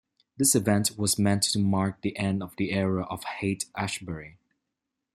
This event was meant to mark the end of the era of Haight-Ashbury.